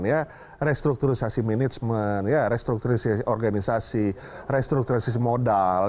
ya restrukturisasi manajemen restrukturisasi organisasi restrukturisasi modal